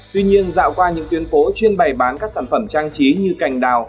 tuy nhiên dạo qua những tuyến phố chuyên bày bán các sản phẩm trang trí như cành đào